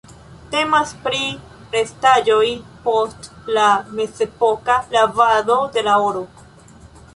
Temas pri restaĵoj post la mezepoka lavado de la oro.